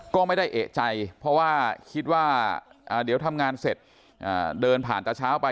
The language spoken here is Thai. ก็ไม่ได้เอกใจเพราะว่าคิดว่าเดี๋ยวทำงานเสร็จเดินผ่านตะเช้าไป